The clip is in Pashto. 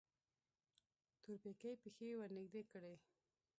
تورپيکۍ پښې ورنږدې کړې.